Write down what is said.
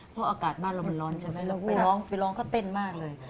เพราะอากาศบ้านเรามันร้อนใช่ไหมเราไปร้องไปร้องเขาเต้นมากเลย